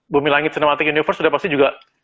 bumi langit cinematic universe sudah pasti juga